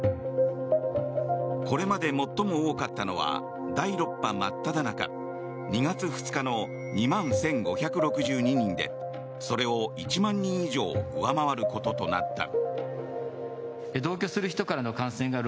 これまで最も多かったのは第６波真っただ中２月２日の２万１５６２人でそれを１万人以上上回ることとなった。